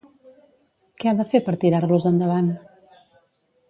Què ha de fer per tirar-los endavant?